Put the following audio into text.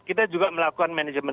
kita juga melakukan manajemen